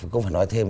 không phải nói thêm